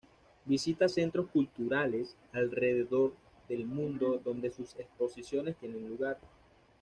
Visita centros culturales alrededor del mundo donde sus exposiciones tienen lugar.